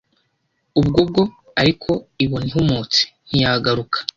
ubwo bwo ariko ibona ahumutse, ntiyagaruka